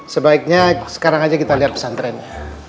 sebaiknya sekarang aja kita lihat pesantrennya